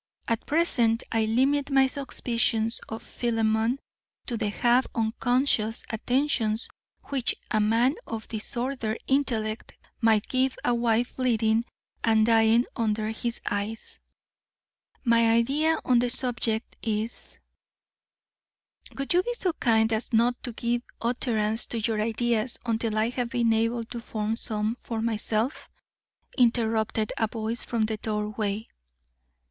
At present I limit my suspicions of Philemon to the half unconscious attentions which a man of disordered intellect might give a wife bleeding and dying under his eyes. My idea on the subject is " "Would you be so kind as not to give utterance to your ideas until I have been able to form some for myself?" interrupted a voice from the doorway.